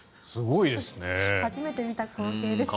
初めて見た光景です。